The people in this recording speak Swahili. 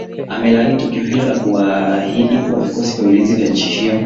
amelaani tukio hilo na kuahidi kuwa vikosi vya ulinzi vya nchi hiyo